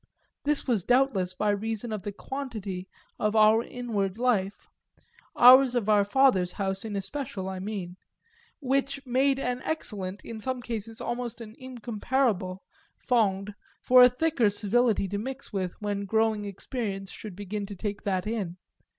This was doubtless by reason of the quantity of our inward life ours of our father's house in especial I mean which made an excellent, in some cases almost an incomparable, fond for a thicker civility to mix with when growing experience should begin to take that in.